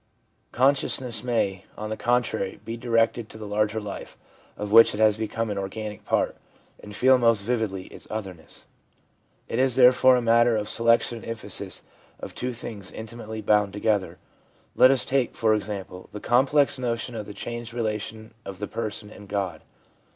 Con sciousness may, on the contrary, be directed to the larger life, of which it has become an organic part, and feel most vividly its otherness. It is therefore a matter of selection and emphasis of two things intimately bound together. Let us take, for example, the complex notion of the changed relation of the person and God.